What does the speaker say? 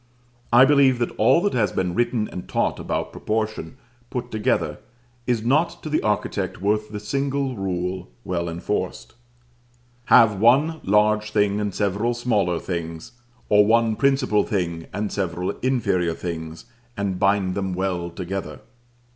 I believe that all that has been written and taught about proportion, put together, is not to the architect worth the single rule, well enforced, "Have one large thing and several smaller things, or one principal thing and several inferior things, and bind them well together."